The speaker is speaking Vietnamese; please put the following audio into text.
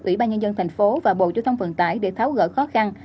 ủy ban nhân dân tp hcm và bộ giao thông vận tải để tháo gỡ khó khăn